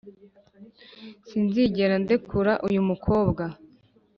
sinzigera ndekura uyumukobwa